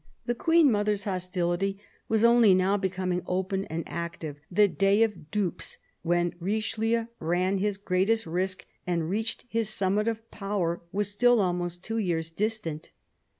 The Queen mother's hostility was only now becoming open and active ; the " Day of Dupes," when Richelieu ran his greatest risk and reached his zenith of power, was still almost two years distant.